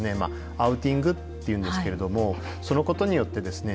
アウティングっていうんですけれどもそのことによってですね